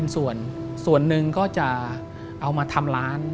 ส่วนส่วนหนึ่งก็จะเอามาทำร้าน